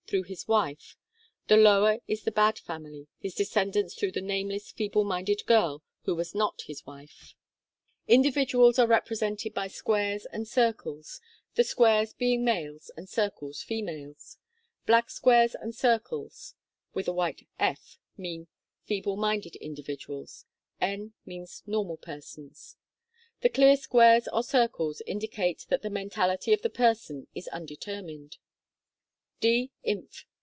through his wife : the lower is the bad family, his descendants through the nameless feeble minded girl who was not his wife. D 33 34 THE KALLIKAK FAMILY EXPLANATION OF SYMBOLS Individuals are represented by squares and circles, the squares being males, the circles, females. Black squares and circles (with a white "F") mean feeble minded individuals ; N means normal persons. The clear squares or circles indicate that the mentality of the person is undetermined. "d. inf."